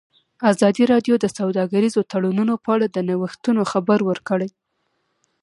ازادي راډیو د سوداګریز تړونونه په اړه د نوښتونو خبر ورکړی.